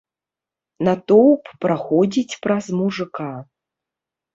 Натоўп праходзіць праз мужыка.